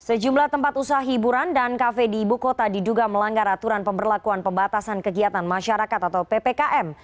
sejumlah tempat usaha hiburan dan kafe di ibu kota diduga melanggar aturan pemberlakuan pembatasan kegiatan masyarakat atau ppkm